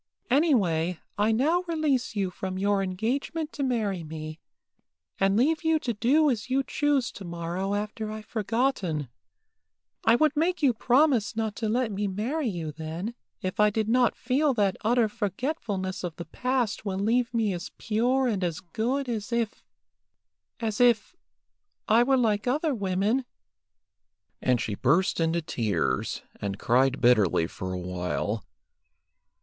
"Any way, I now release you from your engagement to marry me, and leave you to do as you choose tomorrow after I've forgotten. I would make you promise not to let me marry you then, if I did not feel that utter forgetfulness of the past will leave me as pure and as good as if as if I were like other women;" and she burst into tears, and cried bitterly for a while.